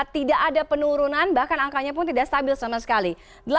tidak ada penurunan bahkan angkanya pun tidak stabil sama sekali